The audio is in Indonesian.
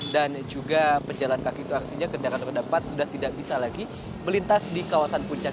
dan juga pejalan kaki itu artinya kendaraan roda empat sudah tidak bisa lagi melintas di kawasan puncak